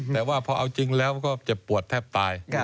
แต่ว่าพอเอาจริงแล้วก็เจ็บปวดแทบตาย